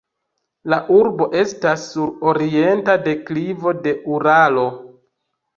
La urbo estas sur orienta deklivo de Uralo.